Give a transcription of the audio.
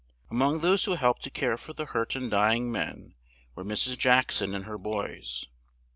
A mong those who helped to care for the hurt and dy ing men were Mrs. Jack son and her boys.